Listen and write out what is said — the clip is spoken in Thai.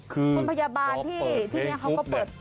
คือเขาเปิดเพลงคลุป